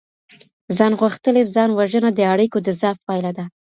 ځان غوښتلې ځان وژنه د اړيکو د ضعف پايله ده.